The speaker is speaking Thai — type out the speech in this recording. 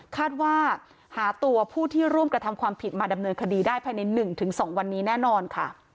คาดว่าหาตัวผู้ที่ร่วมกระทำความผิดมาดำเนินคดีได้ภายใน๑๒วันนี้แน่นอนค่ะ